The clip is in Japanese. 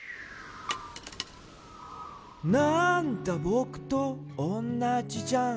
「なんだぼくとおんなじじゃん」